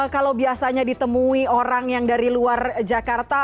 kalau biasanya ditemui orang yang dari luar jakarta